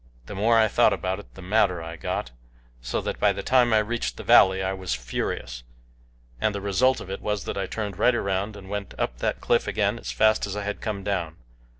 The more I thought about it the madder I got, so that by the time I reached the valley I was furious, and the result of it was that I turned right around and went up that cliff again as fast as I had come down.